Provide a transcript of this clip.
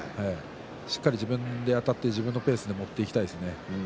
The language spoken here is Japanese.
しっかり自分であたって自分のペースで持っていきたいですね。